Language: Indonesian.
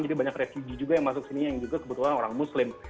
jadi banyak refugee juga yang masuk sini yang juga kebetulan orang muslim